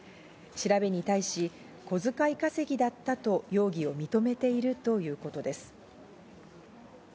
調べに対し、小遣い稼ぎだったと容疑を認めているということです。